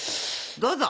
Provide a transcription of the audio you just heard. どうぞ！